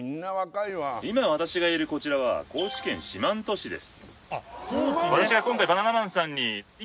今私がいるこちらは高知県四万十市です